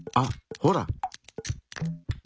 ほら。